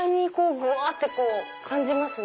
ぐわって感じますね。